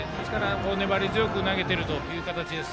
粘り強く投げている形です。